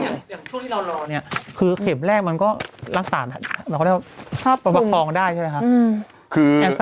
อย่างช่วงที่เรารอเนี่ยคือเข็มแรกมันก็รักษาหมายความเรียกว่าถ้าประปรับคลองได้ใช่ไหมคะ